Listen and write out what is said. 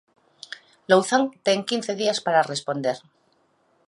Louzán ten quince días para responder.